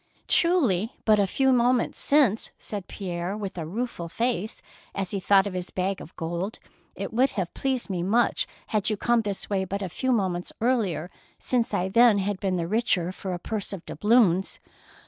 "Truly, but a few moments since,'' said Pierre, with a rueful face, as he thought of his bag of gold. " It would have pleased me much had you come this way but a few moments earlier, since I then had been the richer for a purse of doubloons."